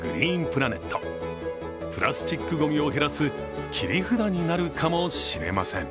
プラスチックごみを減らす切り札になるかもしれません。